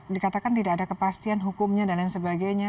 dikatakan tidak ada kepastian hukumnya dan lain sebagainya